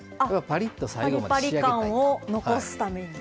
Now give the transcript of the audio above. パリパリ感を残すために。